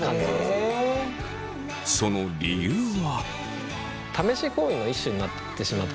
その理由は。